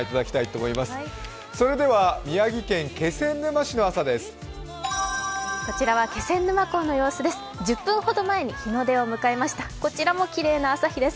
それでは宮城県気仙沼市の様子です。